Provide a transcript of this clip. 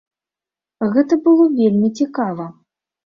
Гэта было вельмі цікава.